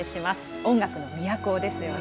音楽の都ですよね。